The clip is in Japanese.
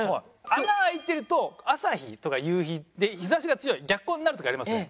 穴開いてると朝日とか夕日で日差しが強い逆光になる時ありますよね。